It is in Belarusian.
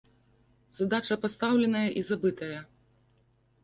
Задача пастаўленая і забытая.